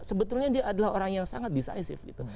sebetulnya dia adalah orang yang sangat decisive gitu